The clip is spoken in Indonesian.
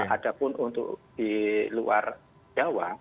ada pun untuk di luar jawa